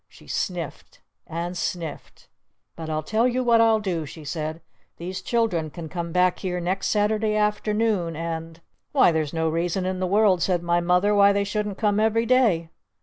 She sniffed. And sniffed. "But I'll tell you what I'll do," she said. "These children can come back here next Saturday afternoon and ." "Why there's no reason in the world," said my Mother, "why they shouldn't come every day!"